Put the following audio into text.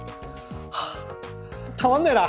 はぁたまんねえな。